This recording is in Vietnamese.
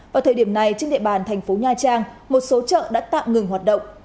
vào thời điểm này trên địa bàn thành phố nha trang một số chợ đã tạm ngừng hoạt động